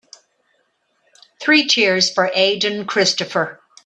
Three cheers for Aden Christopher.